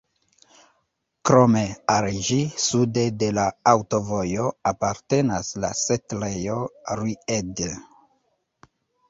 Krome al ĝi sude de la aŭtovojo apartenas la setlejo Ried.